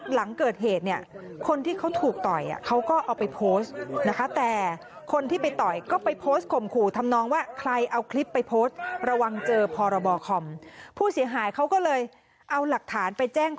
หลังเกิดเหตุเนี่ยคนที่เขาถูกต่อย